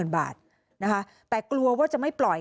บาทนะคะแต่กลัวว่าจะไม่ปล่อย